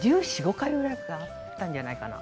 １４１５回ぐらいあったんじゃないかな？